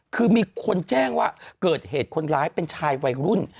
คือมีคนแจ้งว่าเกิดเหตุคนร้ายเป็นชายวัยรุ่น